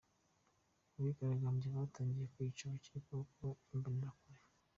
Abigaragambya batangiye kwica abakekwaho kuba Imbonerakure